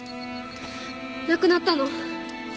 亡くなったの